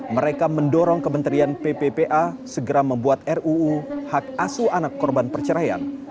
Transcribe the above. mereka mendorong kementerian pppa segera membuat ruu hak asu anak korban perceraian